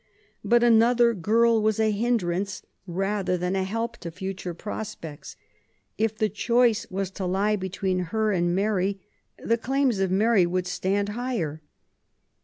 But another girl was a hindrance rather than a help to future prospects. If the choice was to lie between her and Mary, the claims of Mary would stand higher.